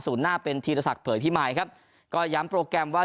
หน้าเป็นธีรศักดิ์เผยพิมายครับก็ย้ำโปรแกรมว่า